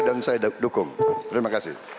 dan saya dukung terima kasih